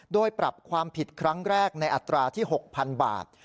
โดยปรับความผิดครั้งแรกในอัตราที่๖๐๐๐บาท